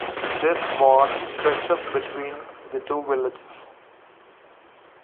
This ward stretches between the two villages.